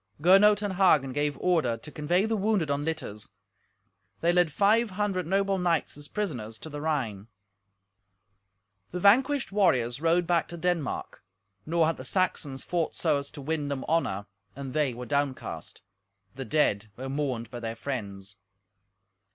Gernot and Hagen gave order to convey the wounded on litters. They led five hundred noble knights as prisoners to the Rhine. The vanquished warriors rode back to Denmark. Nor had the Saxons fought so as to win them honour, and they were downcast. The dead were mourned by their friends.